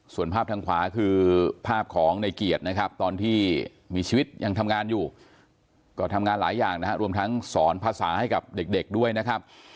ส่วนภาพทางขวาคือภาพของในเกียรตินะครับตอนที่มีชีวิตยังทำงานอยู่ก็ทำงานหลายอย่างนะครับรวมทั้งสอนภาษาให้กับเด็กด้วยนะครับ